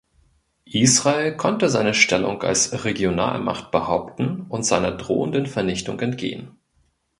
Israel konnte seine Stellung als Regionalmacht behaupten und seiner drohenden Vernichtung entgehen.